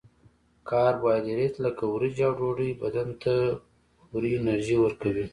کاربوهایدریت لکه وریجې او ډوډۍ بدن ته فوري انرژي ورکوي